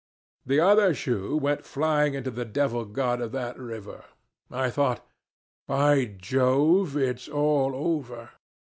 "The other shoe went flying unto the devil god of that river. I thought, 'By Jove! it's all over.